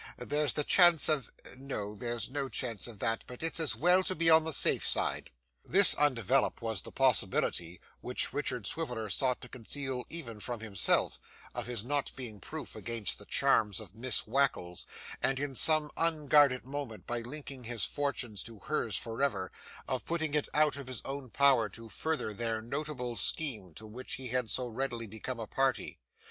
There's the chance of no, there's no chance of that, but it's as well to be on the safe side.' This undeveloped was the possibility, which Richard Swiveller sought to conceal even from himself, of his not being proof against the charms of Miss Wackles, and in some unguarded moment, by linking his fortunes to hers forever, of putting it out of his own power to further their notable scheme to which he had so readily become a party.